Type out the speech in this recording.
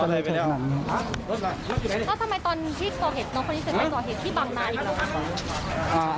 แล้วทำไมตอนที่ก่อเหตุน้องคนนี้จะไปก่อเหตุที่บางนาอีกเหรอคะ